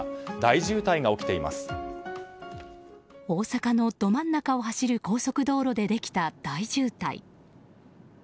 大阪のど真ん中を走る高速道路で起きた大渋滞。